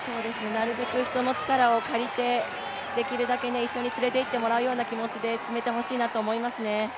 なるべく人の力を借りてできるだけ一緒に連れて行ってもらうような気持ちで進めてほしいなと思いますね。